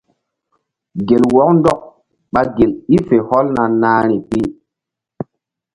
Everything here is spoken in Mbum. Gel wɔk ndɔk ɓa gel i fe hɔlna nahri pi.